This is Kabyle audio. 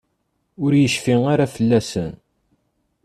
Ur yecfi ara fell-asen?